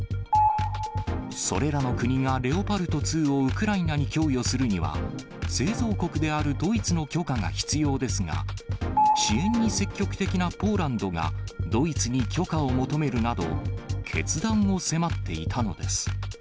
それらの国がレオパルト２をウクライナに供与するには、製造国であるドイツの許可が必要ですが、支援に積極的なポーランドが、ドイツに許可を求めるなど、決断を迫っていたのです。